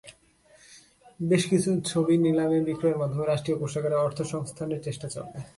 বেশ কিছু ছবি নিলামে বিক্রয়ের মাধ্যমে রাষ্ট্রীয় কোষাগারে অর্থসংস্থানের চেষ্টা চলে।